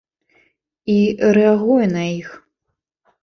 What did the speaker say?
І рэагуе на іх.